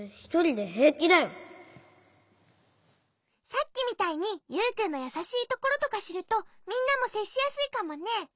さっきみたいにユウくんのやさしいところとかしるとみんなもせっしやすいかもね。